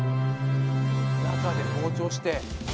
中で膨張して。